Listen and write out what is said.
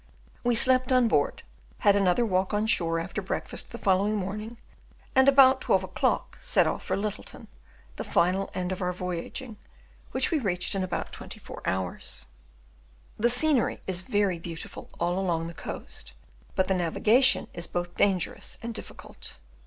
We slept on board, had another walk on shore after breakfast the following morning, and about twelve o'clock set off for Lyttleton, the final end of our voyaging, which we reached in about twenty hours. The scenery is very beautiful all along the coast, but the navigation is both dangerous and difficult.